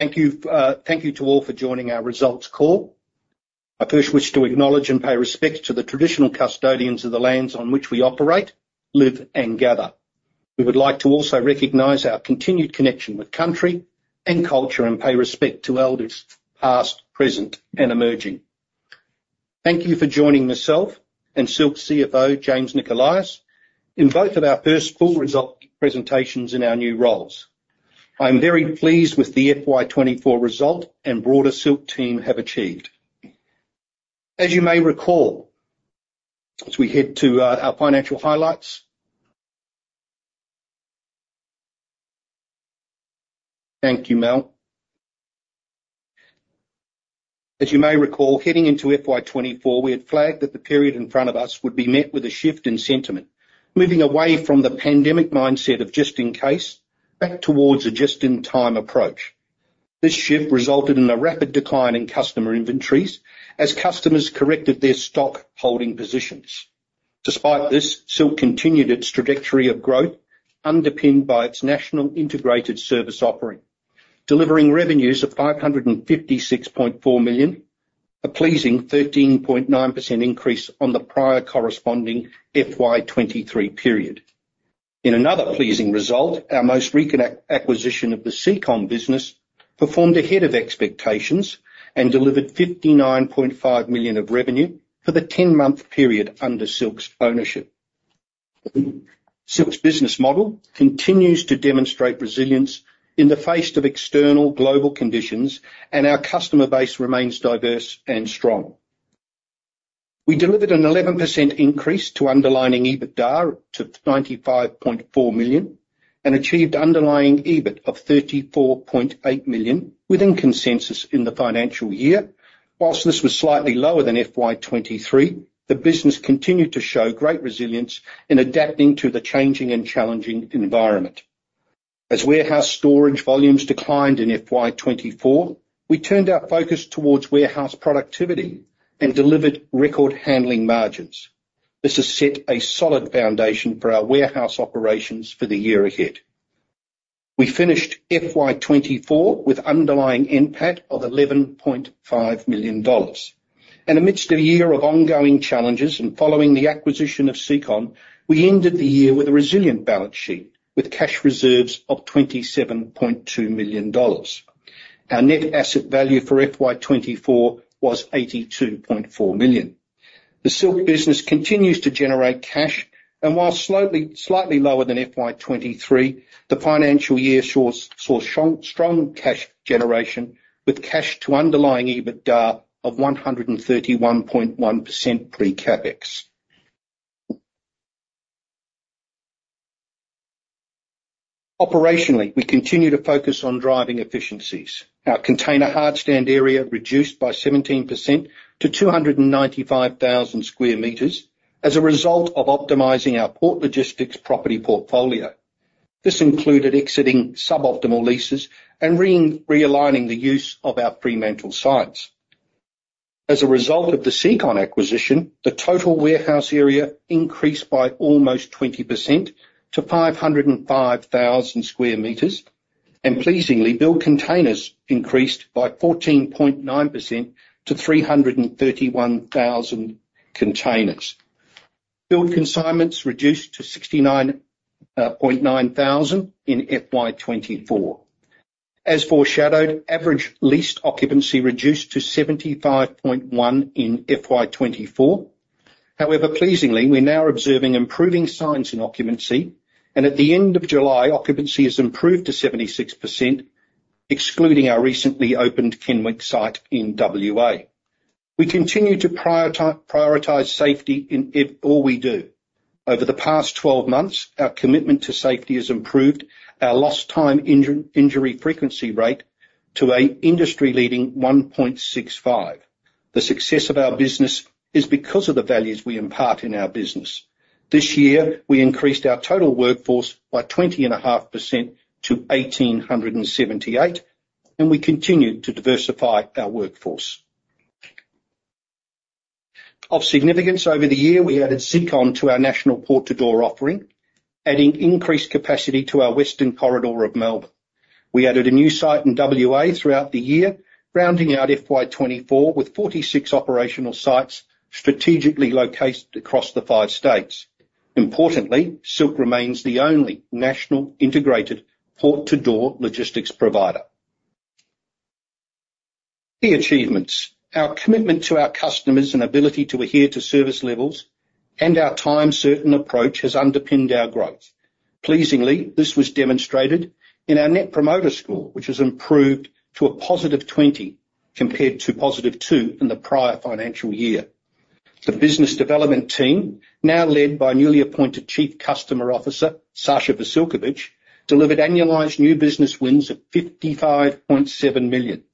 Thank you. Thank you to all for joining our results call. I first wish to acknowledge and pay respect to the traditional custodians of the lands on which we operate, live, and gather. We would like to also recognize our continued connection with country and culture, and pay respect to elders, past, present, and emerging. Thank you for joining myself and Silk's CFO, James Nicholias, in both of our first full result presentations in our new roles. I'm very pleased with the FY 2024 result and broader Silk team have achieved. As you may recall, as we head to our financial highlights. Thank you, Mel. As you may recall, heading into FY 2024, we had flagged that the period in front of us would be met with a shift in sentiment, moving away from the pandemic mindset of just in case, back towards a just-in-time approach. This shift resulted in a rapid decline in customer inventories as customers corrected their stock holding positions. Despite this, Silk continued its trajectory of growth, underpinned by its national integrated service offering, delivering revenues of 556.4 million, a pleasing 13.9% increase on the prior corresponding FY 2023 period. In another pleasing result, our most recent acquisition of the Secon business performed ahead of expectations and delivered 59.5 million of revenue for the 10 month period under Silk's ownership. Silk's business model continues to demonstrate resilience in the face of external global conditions, and our customer base remains diverse and strong. We delivered an 11% increase to underlying EBITDA to 95.4 million, and achieved underlying EBIT of 34.8 million within consensus in the financial year. While this was slightly lower than FY 2023, the business continued to show great resilience in adapting to the changing and challenging environment. As warehouse storage volumes declined in FY 2024, we turned our focus towards warehouse productivity and delivered record handling margins. This has set a solid foundation for our warehouse operations for the year ahead. We finished FY 2024 with underlying NPAT of 11.5 million dollars. And amidst a year of ongoing challenges and following the acquisition of Secon, we ended the year with a resilient balance sheet, with cash reserves of 27.2 million dollars. Our net asset value for FY 2024 was 82.4 million. The Silk business continues to generate cash, and while slowly, slightly lower than FY 2023, the financial year saw strong cash generation, with cash to underlying EBITDA of 131.1% pre-CapEx. Operationally, we continue to focus on driving efficiencies. Our container hardstand area reduced by 17% to 295,000 m2 as a result of optimizing our port logistics property portfolio. This included exiting sub-optimal leases and realigning the use of our Fremantle sites. As a result of the Secon acquisition, the total warehouse area increased by almost 20% to 505,000 m2, and pleasingly, billed containers increased by 14.9% to 331,000 containers. Billed consignments reduced to 69.900 in FY 2024. As foreshadowed, average leased occupancy reduced to 75.1% in FY 2024. However, pleasingly, we're now observing improving signs in occupancy, and at the end of July, occupancy has improved to 76%, excluding our recently opened Kenwick site in WA. We continue to prioritize safety in all we do. Over the past 12 months, our commitment to safety has improved our lost time injury frequency rate to an industry-leading 1.65. The success of our business is because of the values we impart in our business. This year, we increased our total workforce by 20.5% to 1,878, and we continued to diversify our workforce. Of significance, over the year, we added Secon to our national port-to-door offering, adding increased capacity to our western corridor of Melbourne. We added a new site in WA throughout the year, rounding out FY 2024 with 46 operational sites strategically located across the five states. Importantly, Silk remains the only national integrated port-to-door logistics provider. The achievements. Our commitment to our customers and ability to adhere to service levels and our time-certain approach has underpinned our growth. Pleasingly, this was demonstrated in our Net Promoter Score, which has improved to a +20, compared to +2 in the prior financial year. The business development team, now led by newly appointed Chief Customer Officer Sacha Vasiljkovic, delivered annualized new business wins of 55.7 million.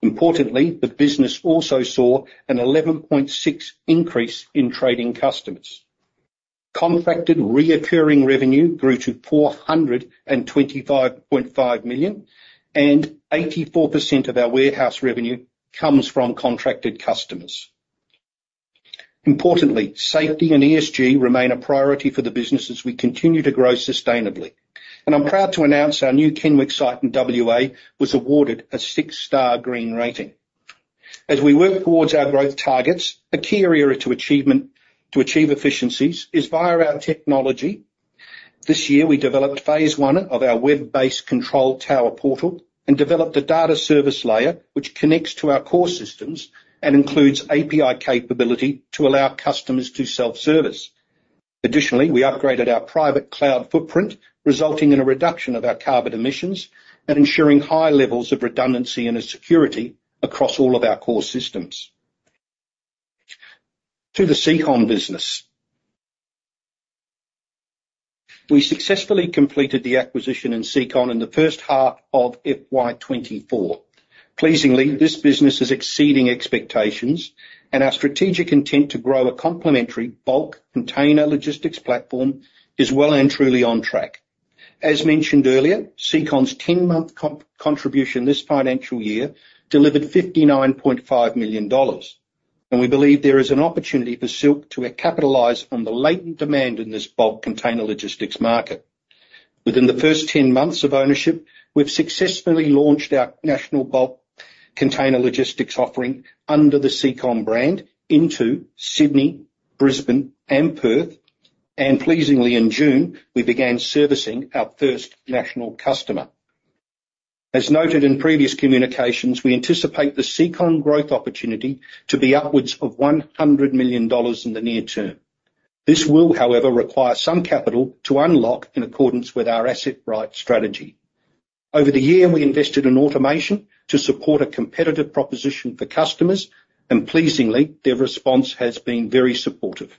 Importantly, the business also saw an 11.6% increase in trading customers. Contracted recurring revenue grew to 425.5 million, and 84% of our warehouse revenue comes from contracted customers. Importantly, safety and ESG remain a priority for the business as we continue to grow sustainably, and I'm proud to announce our new Kenwick site in WA was awarded a six-star green rating. As we work towards our growth targets, a key area to achieve efficiencies is via our technology. This year, we developed phase I of our web-based control tower portal and developed a data service layer, which connects to our core systems and includes API capability to allow customers to self-service. Additionally, we upgraded our private cloud footprint, resulting in a reduction of our carbon emissions and ensuring high levels of redundancy and security across all of our core systems. To the Secon business. We successfully completed the acquisition of Secon in the first half of FY 2024. Pleasingly, this business is exceeding expectations, and our strategic intent to grow a complementary bulk container logistics platform is well and truly on track. As mentioned earlier, Secon's 10 month contribution this financial year delivered 59.5 million dollars, and we believe there is an opportunity for Silk to capitalize on the latent demand in this bulk container logistics market. Within the first 10 months of ownership, we've successfully launched our national bulk container logistics offering under the Secon brand into Sydney, Brisbane, and Perth, and pleasingly, in June, we began servicing our first national customer. As noted in previous communications, we anticipate the Secon growth opportunity to be upwards of 100 million dollars in the near term. This will, however, require some capital to unlock in accordance with our asset-light strategy. Over the year, we invested in automation to support a competitive proposition for customers, and pleasingly, their response has been very supportive.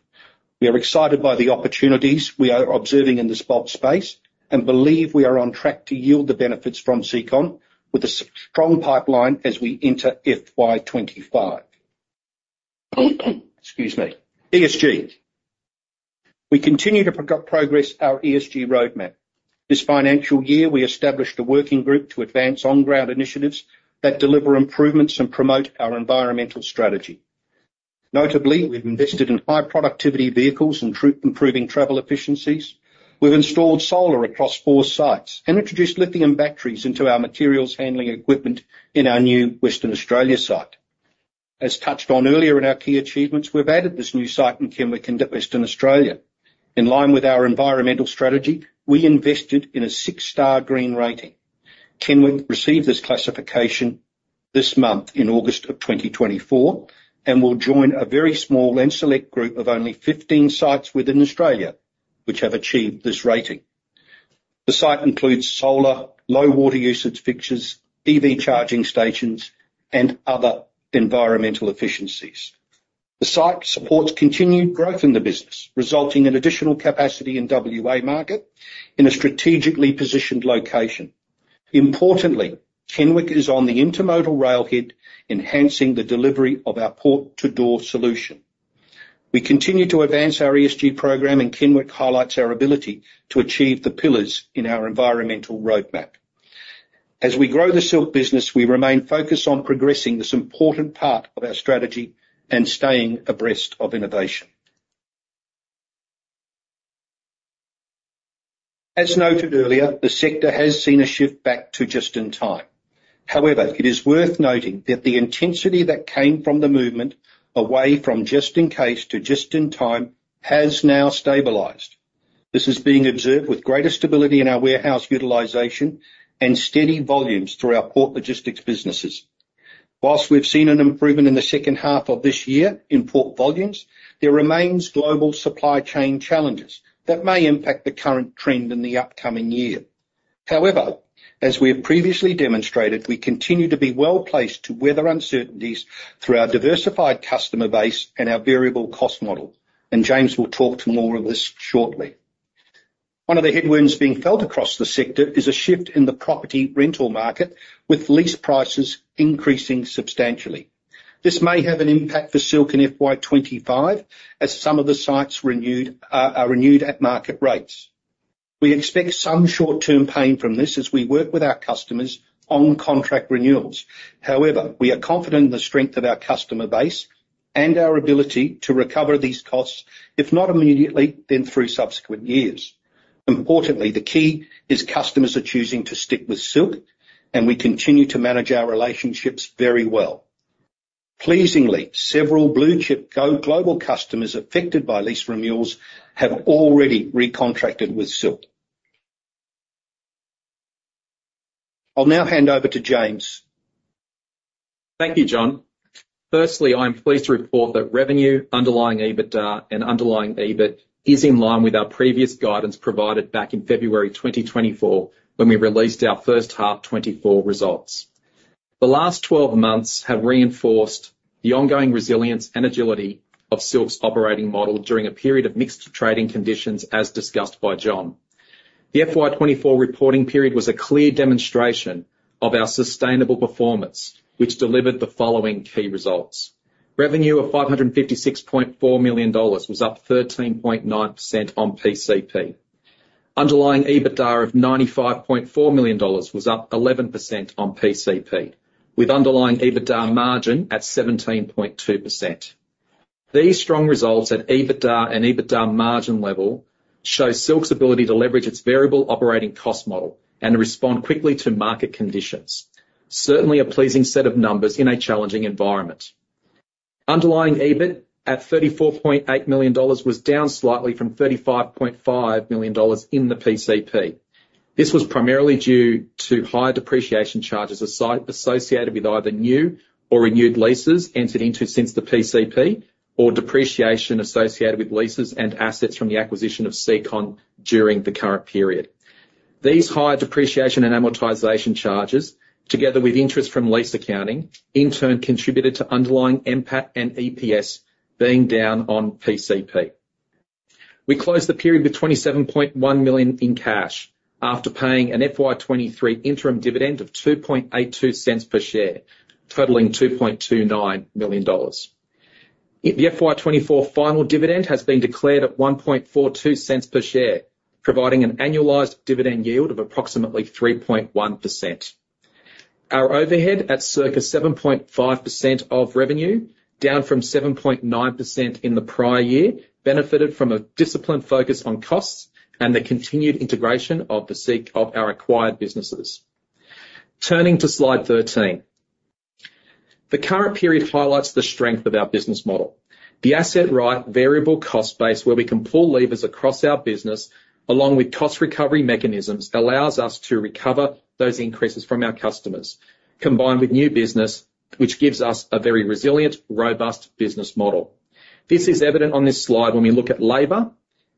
We are excited by the opportunities we are observing in this bulk space and believe we are on track to yield the benefits from Secon with a strong pipeline as we enter FY 2025. Excuse me. ESG. We continue to progress our ESG roadmap. This financial year, we established a working group to advance on-ground initiatives that deliver improvements and promote our environmental strategy. Notably, we've invested in high-productivity vehicles and improving travel efficiencies. We've installed solar across four sites and introduced lithium batteries into our materials handling equipment in our new Western Australia site. As touched on earlier in our key achievements, we've added this new site in Kenwick in Western Australia. In line with our environmental strategy, we invested in a six-star green rating. Kenwick received this classification this month, in August of 2024, and will join a very small and select group of only 15 sites within Australia which have achieved this rating. The site includes solar, low water usage fixtures, EV charging stations, and other environmental efficiencies. The site supports continued growth in the business, resulting in additional capacity in WA market in a strategically positioned location. Importantly, Kenwick is on the intermodal rail head, enhancing the delivery of our port-to-door solution. We continue to advance our ESG program, and Kenwick highlights our ability to achieve the pillars in our environmental roadmap. As we grow the Silk business, we remain focused on progressing this important part of our strategy and staying abreast of innovation. As noted earlier, the sector has seen a shift back to just-in-time. However, it is worth noting that the intensity that came from the movement away from just-in-case to just-in-time has now stabilized. This is being observed with greater stability in our warehouse utilization and steady volumes through our port logistics businesses. While we've seen an improvement in the second half of this year in port volumes, there remains global supply chain challenges that may impact the current trend in the upcoming year. However, as we have previously demonstrated, we continue to be well-placed to weather uncertainties through our diversified customer base and our variable cost model, and James will talk to more of this shortly. One of the headwinds being felt across the sector is a shift in the property rental market, with lease prices increasing substantially. This may have an impact for Silk in FY 2025, as some of the sites renewed are renewed at market rates. We expect some short-term pain from this as we work with our customers on contract renewals. However, we are confident in the strength of our customer base and our ability to recover these costs, if not immediately, then through subsequent years. Importantly, the key is customers are choosing to stick with Silk, and we continue to manage our relationships very well. Pleasingly, several blue-chip go-global customers affected by lease renewals have already recontracted with Silk. I'll now hand over to James. Thank you, John. Firstly, I'm pleased to report that revenue, underlying EBITDA and underlying EBIT is in line with our previous guidance provided back in February 2024, when we released our first half 2024 results. The last 12 months have reinforced the ongoing resilience and agility of Silk's operating model during a period of mixed trading conditions, as discussed by John. The FY 2024 reporting period was a clear demonstration of our sustainable performance, which delivered the following key results: Revenue of 556.4 million dollars was up 13.9% on PCP. Underlying EBITDA of 95.4 million dollars was up 11% on PCP. With underlying EBITDA margin at 17.2%. These strong results at EBITDA and EBITDA margin level show Silk's ability to leverage its variable operating cost model and to respond quickly to market conditions. Certainly, a pleasing set of numbers in a challenging environment. Underlying EBIT, at 34.8 million dollars, was down slightly from 35.5 million dollars in the PCP. This was primarily due to higher depreciation charges associated with either new or renewed leases entered into since the PCP, or depreciation associated with leases and assets from the acquisition of Secon during the current period. These higher depreciation and amortization charges, together with interest from lease accounting, in turn contributed to underlying NPAT and EPS being down on PCP. We closed the period with AUD 27.1 million in cash after paying an FY 2023 interim dividend of 0.0282 per share, totaling AUD 2.29 million. The FY 2024 final dividend has been declared at 0.0142 per share, providing an annualized dividend yield of approximately 3.1%. Our overhead at circa 7.5% of revenue, down from 7.9% in the prior year, benefited from a disciplined focus on costs and the continued integration of the Secon of our acquired businesses. Turning to Slide 13. The current period highlights the strength of our business model. The asset-light variable cost base, where we can pull levers across our business, along with cost recovery mechanisms, allows us to recover those increases from our customers, combined with new business, which gives us a very resilient, robust business model. This is evident on this slide when we look at labor,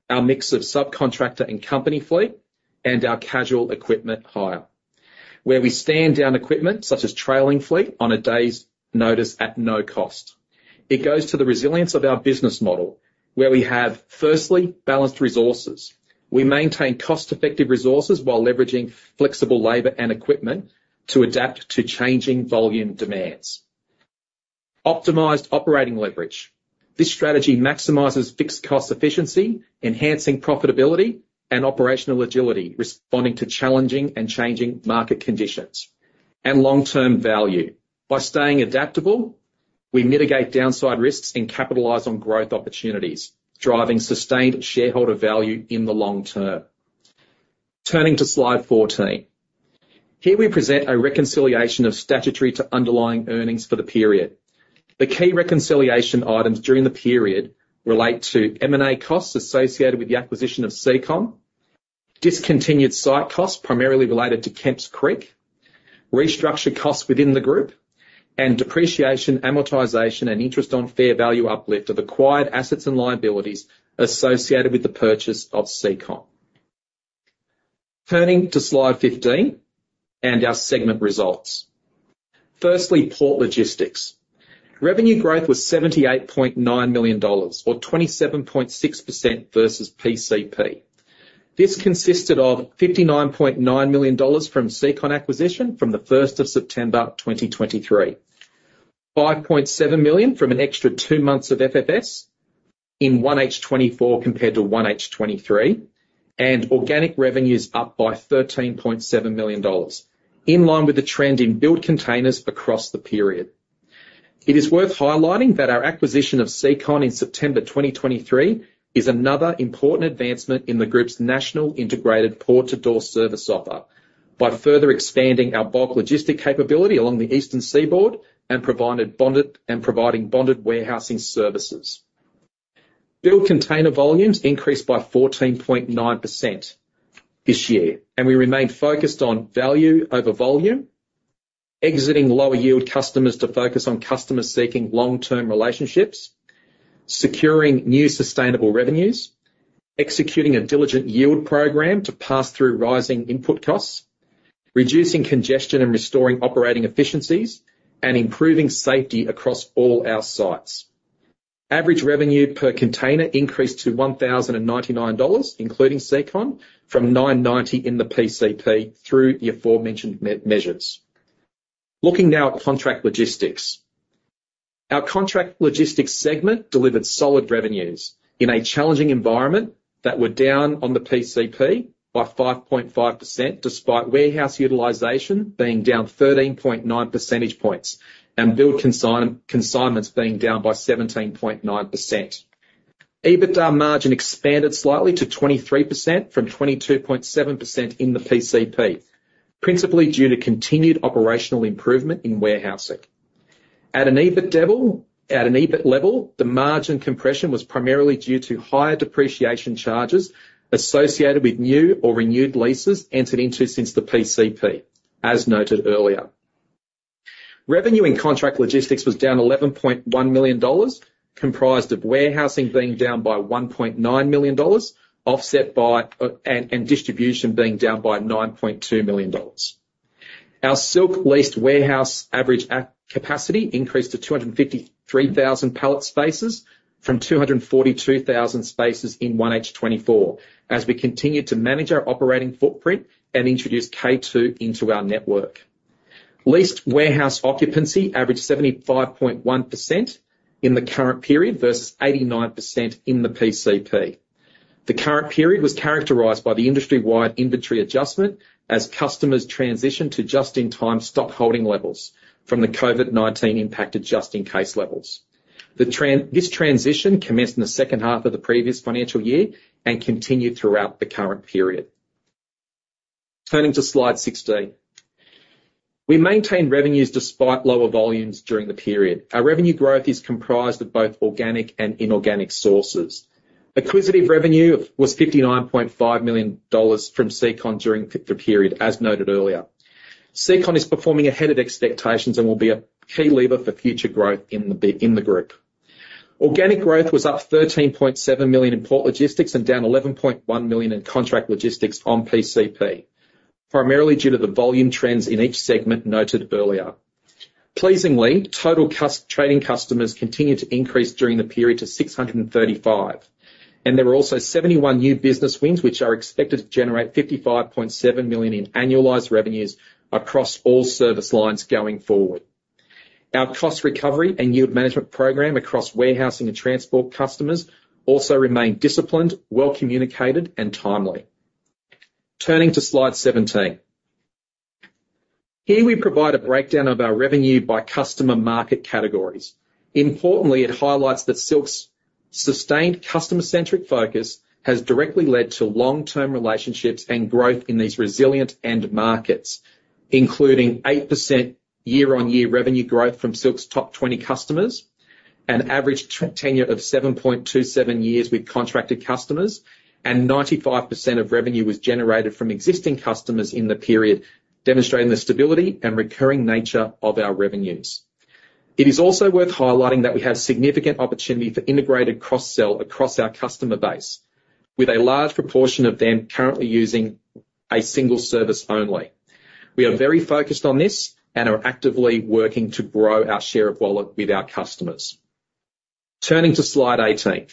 our mix of subcontractor and company fleet, and our casual equipment hire, where we stand down equipment such as trailer fleet on a day's notice at no cost. It goes to the resilience of our business model, where we have, firstly, balanced resources. We maintain cost-effective resources while leveraging flexible labor and equipment to adapt to changing volume demands. Optimized operating leverage. This strategy maximizes fixed cost efficiency, enhancing profitability and operational agility, responding to challenging and changing market conditions and long-term value. By staying adaptable, we mitigate downside risks and capitalize on growth opportunities, driving sustained shareholder value in the long term. Turning to Slide 14. Here we present a reconciliation of statutory to underlying earnings for the period. The key reconciliation items during the period relate to M&A costs associated with the acquisition of Secon, discontinued site costs, primarily related to Kemps Creek, restructured costs within the group, and depreciation, amortization, and interest on fair value uplift of acquired assets and liabilities associated with the purchase of Secon. Turning to Slide 15 and our segment results. Firstly, port logistics. Revenue growth was 78.9 million dollars, or 27.6% versus PCP. This consisted of 59.9 million dollars from Secon acquisition from the 1st of September 2023. 5.7 million from an extra two months of FFS in 1H 2024 compared to 1H 2023, and organic revenues up by AUD 13.7 million, in line with the trend in bulk containers across the period. It is worth highlighting that our acquisition of Secon in September 2023 is another important advancement in the group's national integrated port-to-door service offer, by further expanding our bulk logistic capability along the eastern seaboard and providing bonded warehousing services. Bulk container volumes increased by 14.9% this year, and we remain focused on value over volume, exiting lower yield customers to focus on customers seeking long-term relationships, securing new sustainable revenues, executing a diligent yield program to pass through rising input costs, reducing congestion and restoring operating efficiencies, and improving safety across all our sites. Average revenue per container increased to 1,099 dollars, including Secon, from 990 in the PCP through the aforementioned measures. Looking now at contract logistics. Our contract logistics segment delivered solid revenues in a challenging environment that were down on the PCP by 5.5%, despite warehouse utilization being down 13.9 percentage points and bulk consignments being down by 17.9%. EBITDA margin expanded slightly to 23% from 22.7% in the PCP, principally due to continued operational improvement in warehousing. At an EBIT level, the margin compression was primarily due to higher depreciation charges associated with new or renewed leases entered into since the PCP, as noted earlier. Revenue in contract logistics was down AUD 11.1 million, comprised of warehousing being down by AUD 1.9 million, offset by, and distribution being down by AUD 9.2 million. Our Silk leased warehouse average at capacity increased to 253,000 pallet spaces from 242,000 spaces in 1H 2024, as we continued to manage our operating footprint and introduce K2 into our network. Leased warehouse occupancy averaged 75.1% in the current period versus 89% in the PCP. The current period was characterized by the industry-wide inventory adjustment as customers transition to just-in-time stockholding levels from the COVID-19 impact just-in-case levels. This transition commenced in the second half of the previous financial year and continued throughout the current period. Turning to Slide 16. We maintained revenues despite lower volumes during the period. Our revenue growth is comprised of both organic and inorganic sources. Acquisitive revenue was 59.5 million dollars from Secon during the period, as noted earlier. Secon is performing ahead of expectations and will be a key lever for future growth in the group. Organic growth was up 13.7 million in port logistics and down 11.1 million in contract logistics on PCP, primarily due to the volume trends in each segment noted earlier. Pleasingly, total customer trading customers continued to increase during the period to 635, and there were also 71 new business wins, which are expected to generate 55.7 million in annualized revenues across all service lines going forward. Our cost recovery and yield management program across warehousing and transport customers also remain disciplined, well-communicated, and timely. Turning to Slide 17. Here, we provide a breakdown of our revenue by customer market categories. Importantly, it highlights that Silk's sustained customer-centric focus has directly led to long-term relationships and growth in these resilient end markets, including 8% year-on-year revenue growth from Silk's top 20 customers, an average tenure of 7.27 years with contracted customers, and 95% of revenue was generated from existing customers in the period, demonstrating the stability and recurring nature of our revenues. It is also worth highlighting that we have significant opportunity for integrated cross-sell across our customer base, with a large proportion of them currently using a single service only. We are very focused on this and are actively working to grow our share of wallet with our customers. Turning to Slide 18.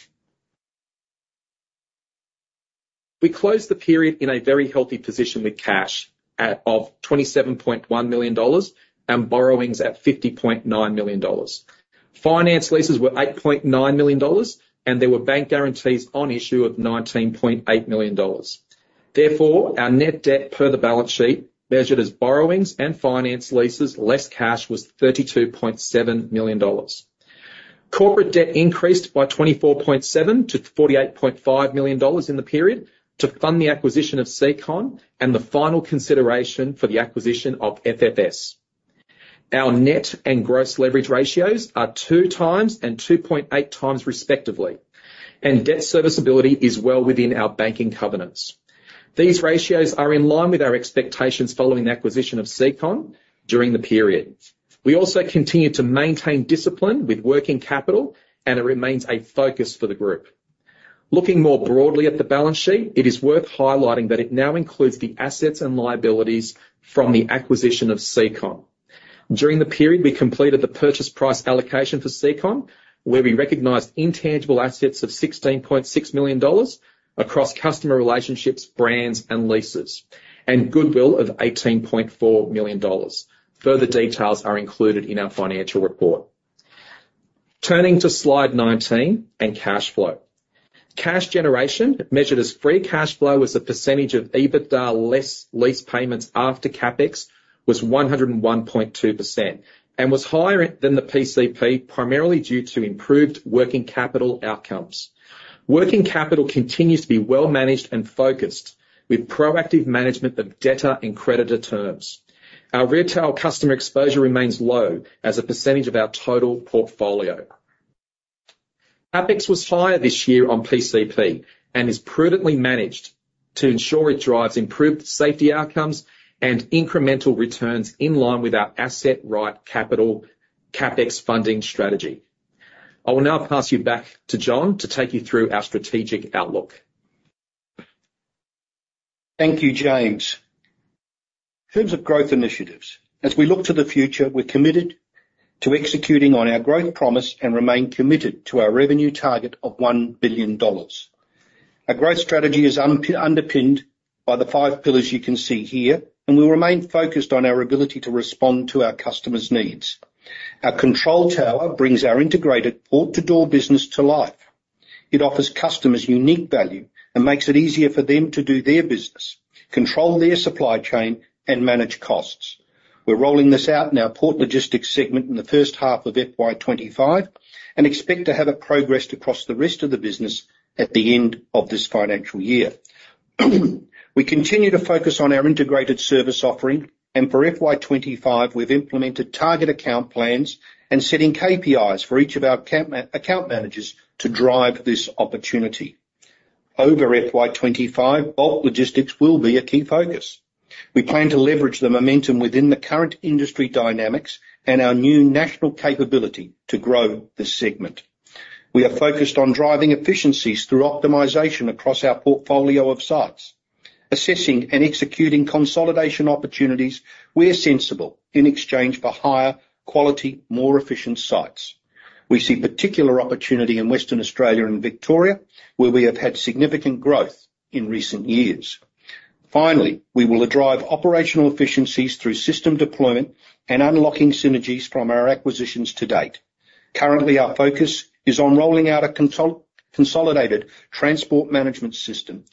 We closed the period in a very healthy position with cash of 27.1 million dollars and borrowings at 50.9 million dollars. Finance leases were 8.9 million dollars, and there were bank guarantees on issue of 19.8 million dollars. Therefore, our net debt per the balance sheet, measured as borrowings and finance leases, less cash, was 32.7 million dollars. Corporate debt increased by 24.7 to 48.5 million dollars in the period to fund the acquisition of Secon and the final consideration for the acquisition of FFS. Our net and gross leverage ratios are 2x and 2.8x, respectively, and debt serviceability is well within our banking covenants. These ratios are in line with our expectations following the acquisition of Secon during the period. We also continue to maintain discipline with working capital, and it remains a focus for the group. Looking more broadly at the balance sheet, it is worth highlighting that it now includes the assets and liabilities from the acquisition of Secon. During the period, we completed the purchase price allocation for Secon, where we recognized intangible assets of 16.6 million dollars across customer relationships, brands, and leases, and goodwill of 18.4 million dollars. Further details are included in our financial report. Turning to Slide 19 and cash flow. Cash generation, measured as free cash flow, as a percentage of EBITDA less lease payments after CapEx, was 101.2%, and was higher than the PCP, primarily due to improved working capital outcomes. Working capital continues to be well-managed and focused with proactive management of debtor and creditor terms. Our retail customer exposure remains low as a percentage of our total portfolio. CapEx was higher this year than PCP and is prudently managed to ensure it drives improved safety outcomes and incremental returns in line with our asset-light capital CapEx funding strategy. I will now pass you back to John to take you through our strategic outlook. Thank you, James. In terms of growth initiatives, as we look to the future, we're committed to executing on our growth promise and remain committed to our revenue target of 1 billion dollars. Our growth strategy is underpinned by the five pillars you can see here, and we remain focused on our ability to respond to our customers' needs. Our Control Tower brings our integrated port-to-door business to life. It offers customers unique value and makes it easier for them to do their business, control their supply chain, and manage costs. We're rolling this out in our Port Logistics segment in the first half of FY 2025 and expect to have it progressed across the rest of the business at the end of this financial year. We continue to focus on our integrated service offering, and for FY 2025, we've implemented target account plans and setting KPIs for each of our account managers to drive this opportunity. Over FY 2025, bulk logistics will be a key focus. We plan to leverage the momentum within the current industry dynamics and our new national capability to grow this segment. We are focused on driving efficiencies through optimization across our portfolio of sites, assessing and executing consolidation opportunities where sensible in exchange for higher quality, more efficient sites. We see particular opportunity in Western Australia and Victoria, where we have had significant growth in recent years. Finally, we will drive operational efficiencies through system deployment and unlocking synergies from our acquisitions to date. Currently, our focus is on rolling out a consolidated transport management system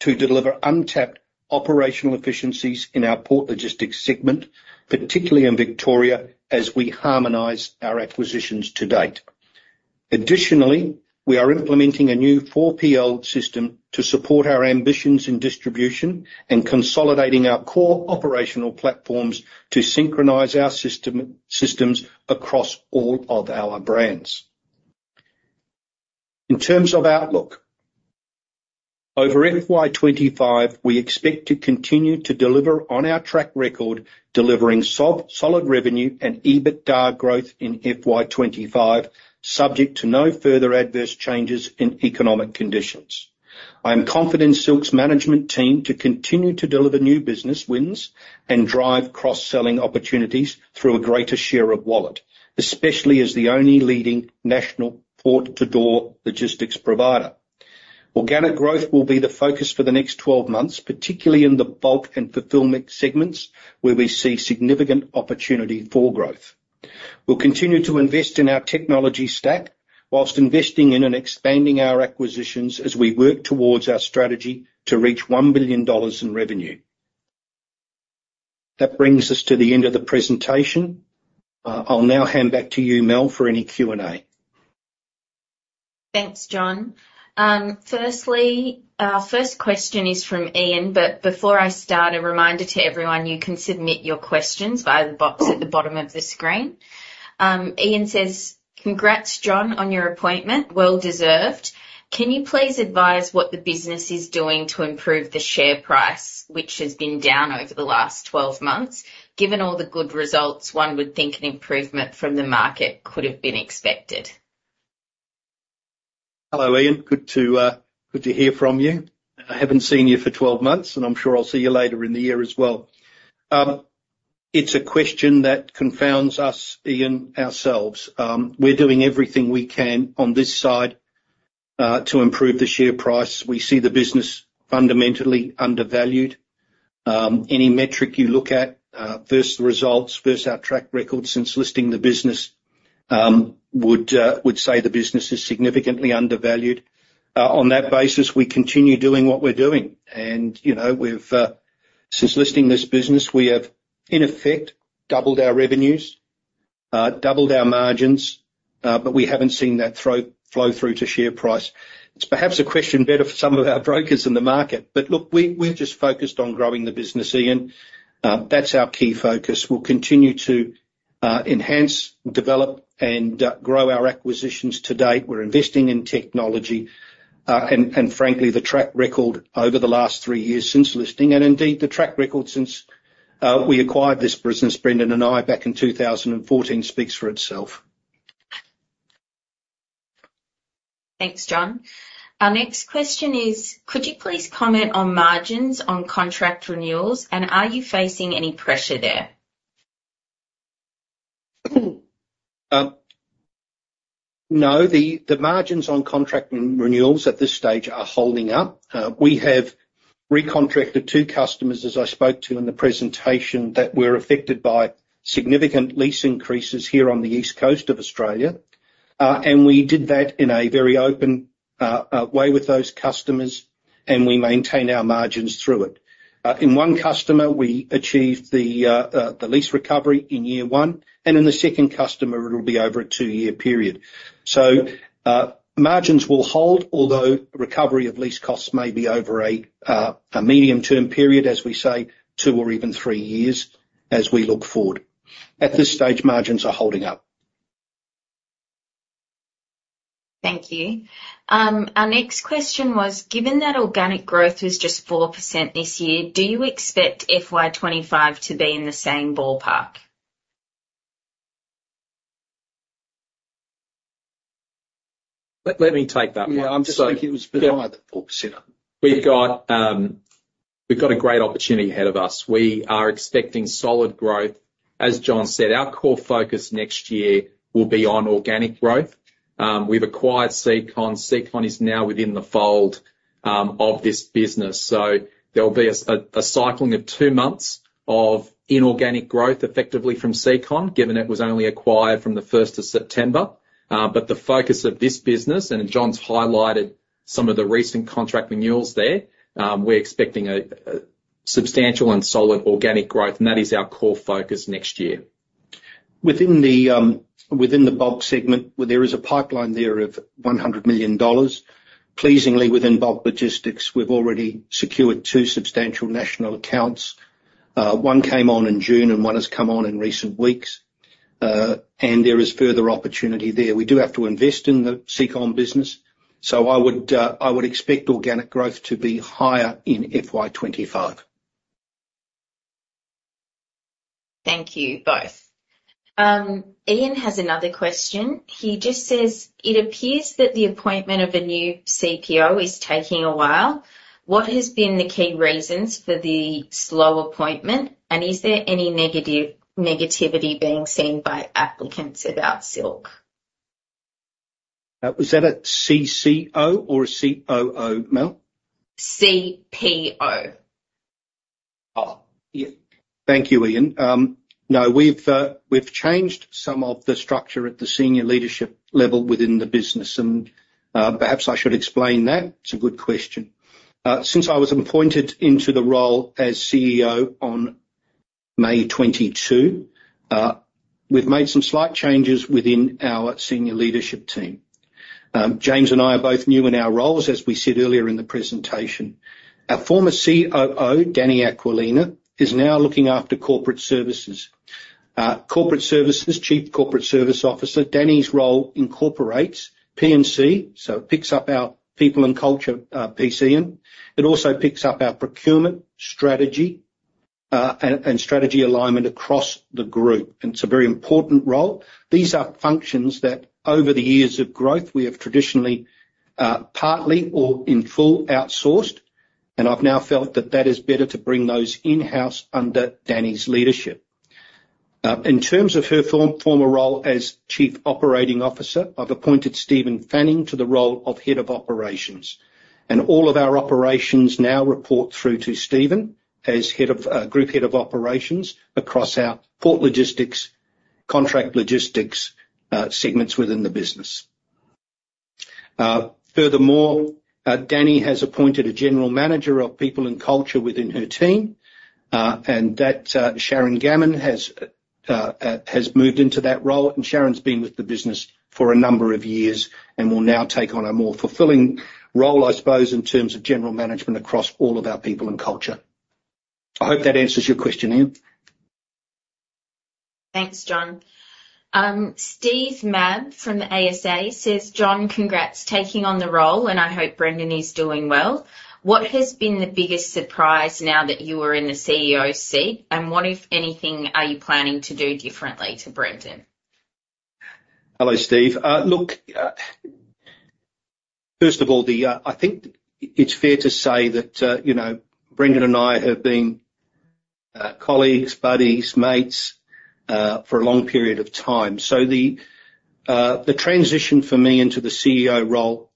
to deliver untapped operational efficiencies in our port logistics segment, particularly in Victoria, as we harmonize our acquisitions to date. Additionally, we are implementing a new 4PL system to support our ambitions in distribution and consolidating our core operational platforms to synchronize our systems across all of our brands. In terms of outlook, over FY 2025, we expect to continue to deliver on our track record, delivering solid revenue and EBITDA growth in FY 2025, subject to no further adverse changes in economic conditions. I am confident Silk's management team to continue to deliver new business wins and drive cross-selling opportunities through a greater share of wallet, especially as the only leading national port-to-door logistics provider. Organic growth will be the focus for the next 12 months, particularly in the bulk and fulfillment segments, where we see significant opportunity for growth. We'll continue to invest in our technology stack while investing in and expanding our acquisitions as we work towards our strategy to reach 1 billion dollars in revenue. That brings us to the end of the presentation. I'll now hand back to you, Mel, for any Q&A. Thanks, John. Firstly, our first question is from Ian, but before I start, a reminder to everyone, you can submit your questions via the box at the bottom of the screen. Ian says: "Congrats, John, on your appointment. Well deserved. Can you please advise what the business is doing to improve the share price, which has been down over the last 12 months? Given all the good results, one would think an improvement from the market could have been expected. Hello, Ian. Good to hear from you. I haven't seen you for 12 months, and I'm sure I'll see you later in the year as well. It's a question that confounds us, Ian, ourselves. We're doing everything we can on this side to improve the share price. We see the business fundamentally undervalued. Any metric you look at versus the results, versus our track record since listing the business, would say the business is significantly undervalued. On that basis, we continue doing what we're doing, and you know, we've since listing this business, we have, in effect, doubled our revenues, doubled our margins, but we haven't seen that flow through to share price. It's perhaps a question better for some of our brokers in the market, but look, we, we're just focused on growing the business, Ian. That's our key focus. We'll continue to enhance, develop, and grow our acquisitions to date. We're investing in technology, and frankly, the track record over the last three years since listing, and indeed, the track record since we acquired this business, Brendan and I, back in 2014, speaks for itself. Thanks, John. Our next question is: could you please comment on margins on contract renewals, and are you facing any pressure there? No, the margins on contract re-renewals at this stage are holding up. We have recontracted two customers, as I spoke to in the presentation, that were affected by significant lease increases here on the east coast of Australia. And we did that in a very open way with those customers, and we maintained our margins through it. In one customer, we achieved the lease recovery in year one, and in the second customer, it'll be over a two-year period. So, margins will hold, although recovery of lease costs may be over a medium-term period, as we say, two or even three years, as we look forward. At this stage, margins are holding up. Thank you. Our next question was: given that organic growth was just 4% this year, do you expect FY 2025 to be in the same ballpark? Let me take that one. Yeah, I'm just thinking it was below the 4%. We've got a great opportunity ahead of us. We are expecting solid growth. As John said, our core focus next year will be on organic growth. We've acquired Secon. Secon is now within the fold of this business. So there'll be a cycling of two months of inorganic growth, effectively from Secon, given it was only acquired from the 1st of September. But the focus of this business, and John's highlighted some of the recent contract renewals there, we're expecting a substantial and solid organic growth, and that is our core focus next year. Within the bulk segment, where there is a pipeline there of 100 million dollars, pleasingly within bulk logistics, we've already secured two substantial national accounts. One came on in June, and one has come on in recent weeks, and there is further opportunity there. We do have to invest in the Secon business, so I would expect organic growth to be higher in FY 2025. Thank you both. Ian has another question. He just says: "It appears that the appointment of a new CPO is taking a while. What has been the key reasons for the slow appointment, and is there any negativity being seen by applicants about Silk? Was that a CCO or a COO, Mel? CPO. Oh, yeah. Thank you, Ian. No, we've changed some of the structure at the senior leadership level within the business, and perhaps I should explain that. It's a good question. Since I was appointed into the role as CEO on May 2022, we've made some slight changes within our senior leadership team. James and I are both new in our roles, as we said earlier in the presentation. Our former COO, Dani Aquilina, is now looking after corporate services. Corporate services, Chief Corporate Services Officer, Dani's role incorporates P&C, so it picks up our people and culture, P&C. It also picks up our procurement strategy, and strategy alignment across the group, and it's a very important role. These are functions that, over the years of growth, we have traditionally, partly or in full outsourced, and I've now felt that that is better to bring those in-house under Dani's leadership. In terms of her former role as Chief Operating Officer, I've appointed Stephen Fanning to the role of Head of Operations, and all of our operations now report through to Stephen as head of group Head of Operations across our port logistics, contract logistics, segments within the business. Furthermore, Dani has appointed a General Manager of People and Culture within her team, and that Sharron Gammon has moved into that role. Sharon's been with the business for a number of years and will now take on a more fulfilling role, I suppose, in terms of general management across all of our people and culture. I hope that answers your question, Ian. Thanks, John. Steve Mabb from the ASA says, "John, congrats taking on the role, and I hope Brendan is doing well. What has been the biggest surprise now that you are in the CEO seat, and what, if anything, are you planning to do differently to Brendan? Hello, Steve. Look, first of all, I think it's fair to say that you know, Brendan and I have been colleagues, buddies, mates for a long period of time, so the transition for me into the CEO role,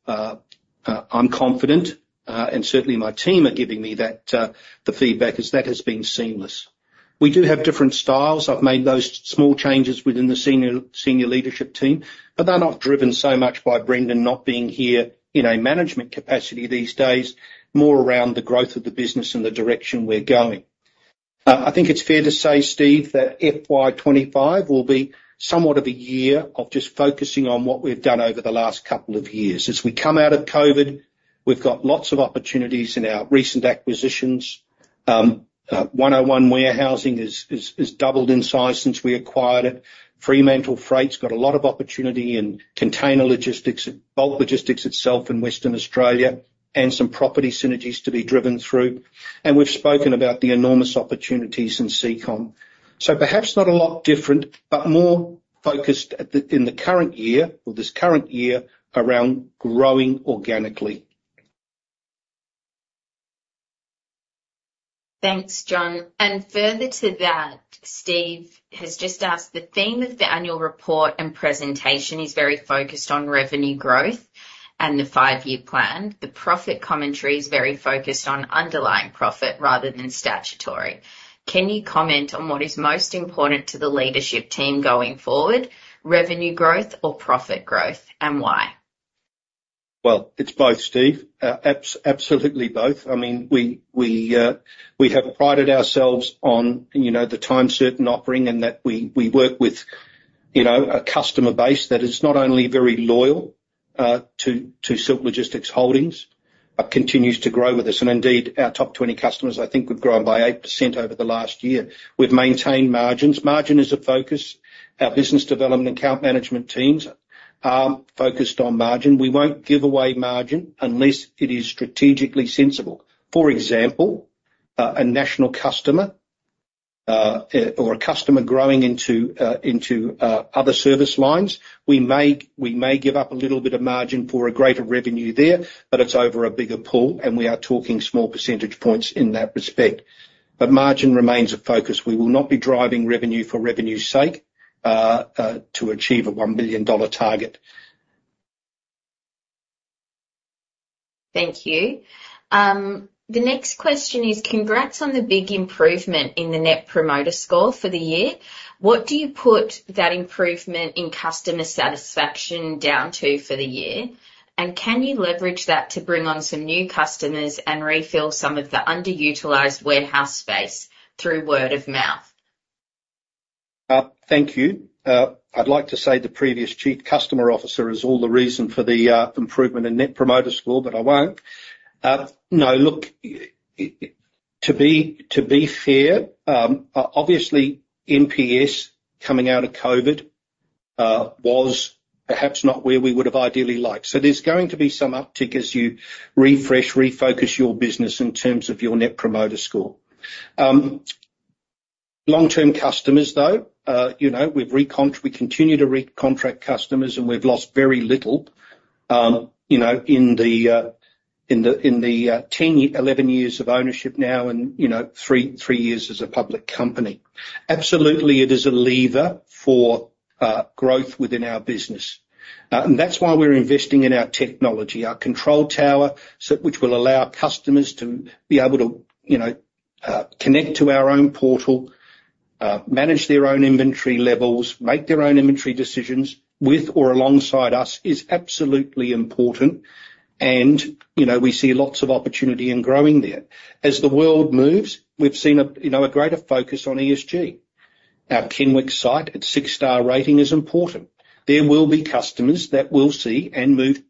I'm confident, and certainly my team are giving me that, the feedback is that has been seamless. We do have different styles. I've made those small changes within the senior leadership team, but they're not driven so much by Brendan not being here in a management capacity these days, more around the growth of the business and the direction we're going. I think it's fair to say, Steve, that FY 2025 will be somewhat of a year of just focusing on what we've done over the last couple of years. As we come out of COVID, we've got lots of opportunities in our recent acquisitions. 101 Warehousing is doubled in size since we acquired it. Fremantle Freight's got a lot of opportunity in container logistics, bulk logistics itself in Western Australia, and some property synergies to be driven through. And we've spoken about the enormous opportunities in Secon. So perhaps not a lot different, but more focused in the current year, or this current year, around growing organically. Thanks, John. And further to that, Steve has just asked, "The theme of the annual report and presentation is very focused on revenue growth and the five-year plan. The profit commentary is very focused on underlying profit rather than statutory. Can you comment on what is most important to the leadership team going forward, revenue growth or profit growth, and why? It's both, Steve. Absolutely both. I mean, we have prided ourselves on, you know, the time-certain offering and that we work with, you know, a customer base that is not only very loyal to Silk Logistics Holdings, but continues to grow with us. And indeed, our top 20 customers, I think, we've grown by 8% over the last year. We've maintained margins. Margin is a focus. Our business development account management teams are focused on margin. We won't give away margin unless it is strategically sensible. For example, a national customer or a customer growing into other service lines, we may give up a little bit of margin for a greater revenue there, but it's over a bigger pool, and we are talking small percentage points in that respect. But margin remains a focus. We will not be driving revenue for revenue's sake, to achieve a 1 billion dollar target. Thank you. The next question is, "Congrats on the big improvement in the Net Promoter Score for the year. What do you put that improvement in customer satisfaction down to for the year? And can you leverage that to bring on some new customers and refill some of the underutilized warehouse space through word of mouth? Thank you. I'd like to say the previous Chief Customer Officer is all the reason for the improvement in Net Promoter Score, but I won't. No, look, to be fair, obviously, NPS coming out of COVID was perhaps not where we would have ideally liked. So there's going to be some uptick as you refresh, refocus your business in terms of your Net Promoter Score. Long-term customers, though, you know, we continue to recontract customers, and we've lost very little, you know, in the 10 year, 11 years of ownership now and, you know, three years as a public company. Absolutely, it is a lever for growth within our business. And that's why we're investing in our technology. Our Control Tower, which will allow customers to be able to, you know, connect to our own portal, manage their own inventory levels, make their own inventory decisions with or alongside us, is absolutely important. And, you know, we see lots of opportunity in growing there. As the world moves, we've seen a you know, a greater focus on ESG. Our Kenwick site, its six-star rating is important. There will be customers that will see and move,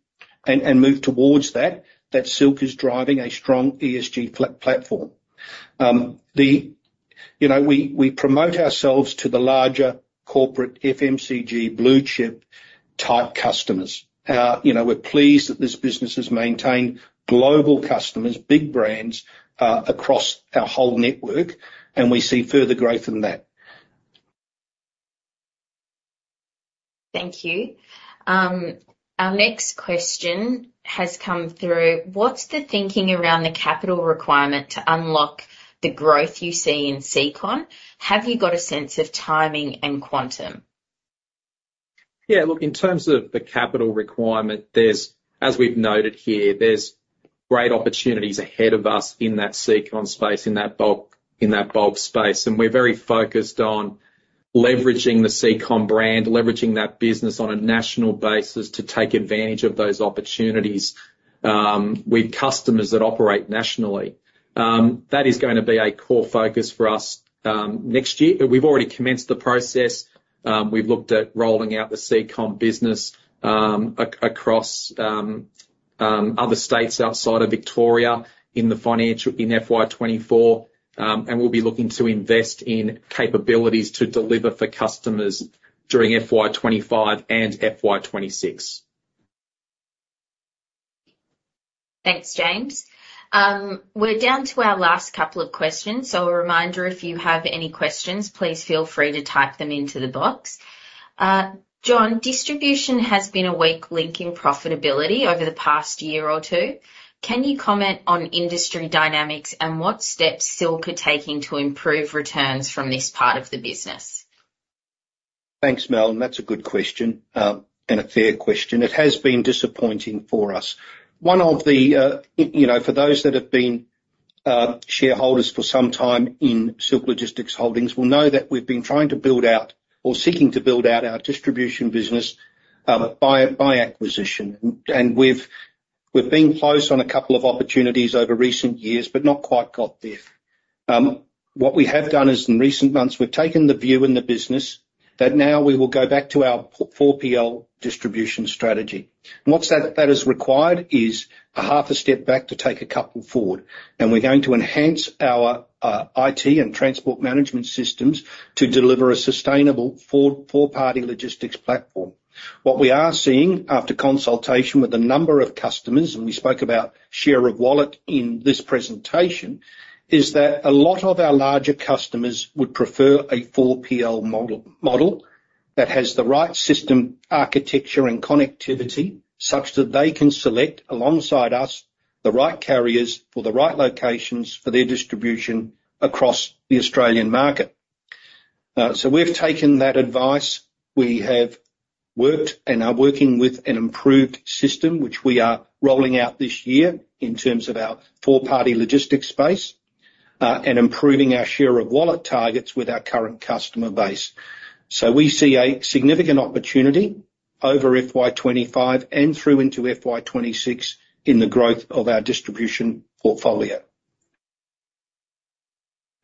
and move towards that, that Silk is driving a strong ESG platform. You know, we promote ourselves to the larger corporate FMCG, blue chip-type customers. You know, we're pleased that this business has maintained global customers, big brands, across our whole network, and we see further growth in that. Thank you. Our next question has come through: What's the thinking around the capital requirement to unlock the growth you see in Secon? Have you got a sense of timing and quantum? Yeah, look, in terms of the capital requirement, there's, as we've noted here, there's great opportunities ahead of us in that Secon space, in that bulk space. And we're very focused on leveraging the Secon brand, leveraging that business on a national basis to take advantage of those opportunities with customers that operate nationally. That is gonna be a core focus for us next year. We've already commenced the process. We've looked at rolling out the Secon business across other states outside of Victoria in the financial in FY 2024. And we'll be looking to invest in capabilities to deliver for customers during FY 2025 and FY 2026. Thanks, James. We're down to our last couple of questions, so a reminder, if you have any questions, please feel free to type them into the box. John, distribution has been a weak link in profitability over the past year or two. Can you comment on industry dynamics and what steps Silk are taking to improve returns from this part of the business? Thanks, Mel, and that's a good question and a fair question. It has been disappointing for us. One of the, you know, for those that have been shareholders for some time in Silk Logistics Holdings will know that we've been trying to build out or seeking to build out our distribution business by acquisition. And we've been close on a couple of opportunities over recent years, but not quite got there. What we have done is in recent months, we've taken the view in the business that now we will go back to our 4PL distribution strategy. And what's that? That is required is a half a step back to take a couple forward, and we're going to enhance our IT and transport management systems to deliver a sustainable four-party logistics platform. What we are seeing, after consultation with a number of customers, and we spoke about share of wallet in this presentation, is that a lot of our larger customers would prefer a 4PL model, model that has the right system, architecture, and connectivity, such that they can select, alongside us, the right carriers for the right locations for their distribution across the Australian market. So we've taken that advice. We have worked and are working with an improved system, which we are rolling out this year in terms of our four-party logistics space, and improving our share of wallet targets with our current customer base. So we see a significant opportunity over FY 2025 and through into FY 2026 in the growth of our distribution portfolio.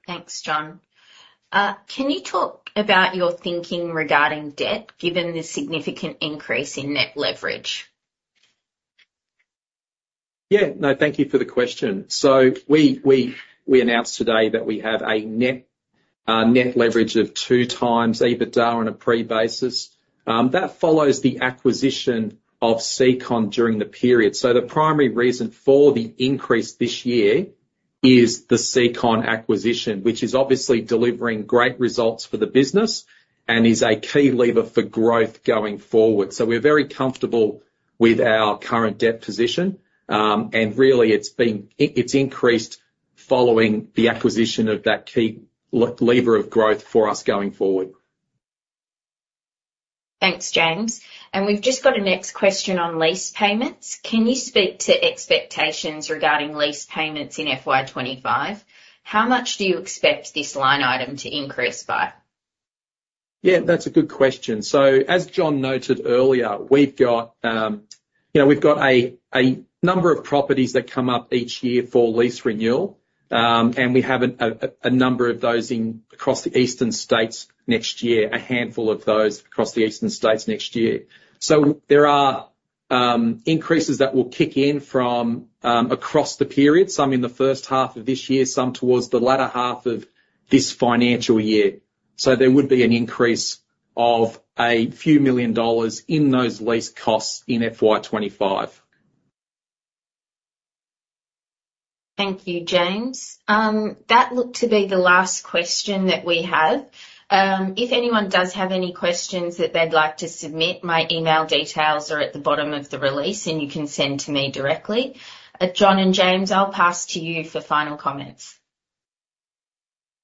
Thanks, John. Can you talk about your thinking regarding debt, given the significant increase in net leverage? Yeah. No, thank you for the question, so we announced today that we have a net leverage of 2x EBITDA on a pre basis. That follows the acquisition of Secon during the period, so the primary reason for the increase this year is the Secon acquisition, which is obviously delivering great results for the business and is a key lever for growth going forward, so we're very comfortable with our current debt position, and really, it's increased following the acquisition of that key lever of growth for us going forward. Thanks, James. And we've just got a next question on lease payments. Can you speak to expectations regarding lease payments in FY 2025? How much do you expect this line item to increase by? Yeah, that's a good question. As John noted earlier, we've got, you know, we've got a number of properties that come up each year for lease renewal. We have a number of those across the eastern states next year, a handful of those across the eastern states next year. There are increases that will kick in from across the period, some in the first half of this year, some towards the latter half of this financial year. There would be an increase of a few million AUD in those lease costs in FY 2025. Thank you, James. That looked to be the last question that we have. If anyone does have any questions that they'd like to submit, my email details are at the bottom of the release, and you can send to me directly. John and James, I'll pass to you for final comments.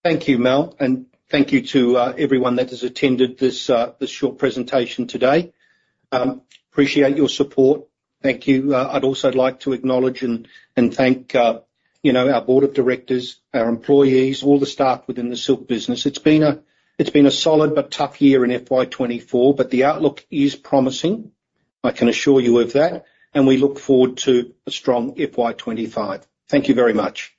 Thank you, Mel, and thank you to everyone that has attended this short presentation today. Appreciate your support. Thank you. I'd also like to acknowledge and thank, you know, our board of directors, our employees, all the staff within the Silk business. It's been a solid but tough year in FY 2024, but the outlook is promising. I can assure you of that, and we look forward to a strong FY 2025. Thank you very much. Thank you.